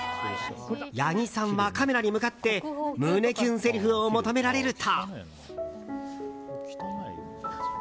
八木さんはカメラに向かって胸キュンせりふを求められると。